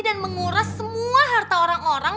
menguras semua harta orang orang